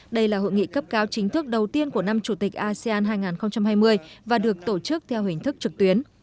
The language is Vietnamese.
đây là hội nghị cấp cao chính thức đầu tiên của năm chủ tịch asean hai nghìn hai mươi và được tổ chức theo hình thức trực tuyến